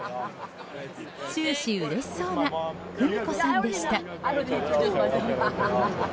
終始うれしそうな久美子さんでした。